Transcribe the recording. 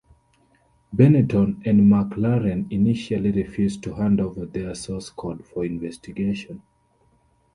Benetton and McLaren initially refused to hand over their source code for investigation.